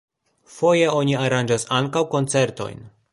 Foje oni aranĝas ankaŭ koncertojn.